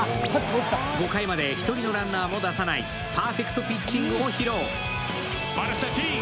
５回まで１人のランナーも出さないパーフェクトピッチングを披露！